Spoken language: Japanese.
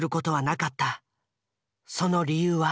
その理由は？